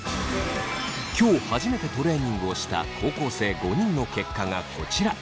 今日初めてトレーニングをした高校生５人の結果がこちら。